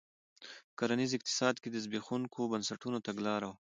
په کرنیز اقتصاد کې د زبېښونکو بنسټونو تګلاره وه.